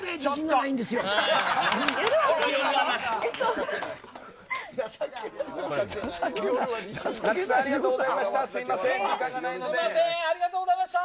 なつきさんありがとうございました。